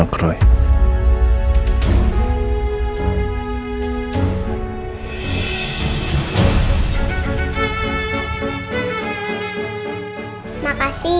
apa bener reina bukan anak roy